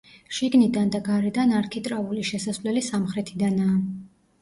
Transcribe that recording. შიგნიდან და გარედან არქიტრავული შესასვლელი სამხრეთიდანაა.